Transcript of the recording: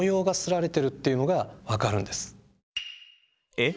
えっ？